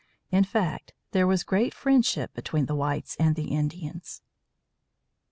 In fact, there was a feeling of great friendship between the whites and the Indians. X.